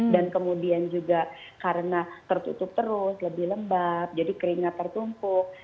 dan kemudian juga karena tertutup terus lebih lembab jadi keringat tertumpuk